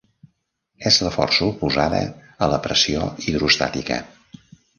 És la força oposada a la pressió hidrostàtica.